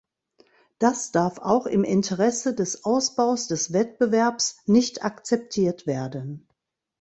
Das darf auch im Interesse des Ausbaus des Wettbewerbs nicht akzeptiert werden.